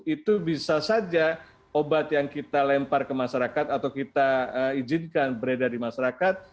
itu bisa saja obat yang kita lempar ke masyarakat atau kita izinkan beredar di masyarakat